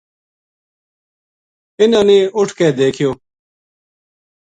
اِنھاں نے اُٹھ کے دیکھیو